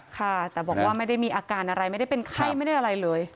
ค่ะแต่บอกว่าไม่ได้มีอาการอะไรไม่ได้เป็นไข้ไม่ได้อะไรเลย